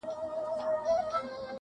ځان سره يې سر او تال قبر ته يوړو